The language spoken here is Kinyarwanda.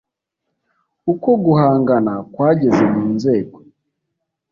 uko guhangana kwageze mu nzego